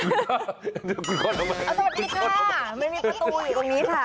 อันนี้ค่าไม่มีประตูอยู่ตรงนี้ค่ะ